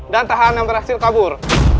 dan tahanan berhasil kabur